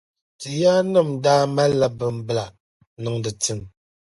Ti yaanim daa mali bimbilla niŋdi tim.